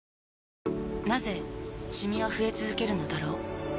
なぜシミは増え続けるのだろう